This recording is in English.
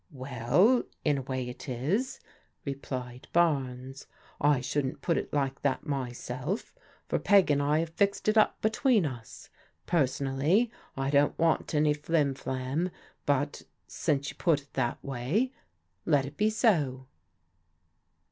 Well, in a way it is," replied Barnes. " 1 sVvovA^X. 98 PRODIGAL DAUGHTERS put it like that myself, for Peg and I have fixed it up between us. Personally I don't want any flim fiam, but since you put it that way, let it be so."